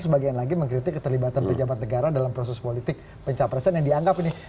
sebagian lagi mengkritik keterlibatan pejabat negara dalam proses politik pencapresan yang dianggap ini